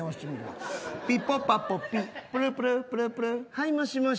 はい、もしもし